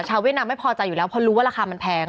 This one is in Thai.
เวียดนามไม่พอใจอยู่แล้วเพราะรู้ว่าราคามันแพง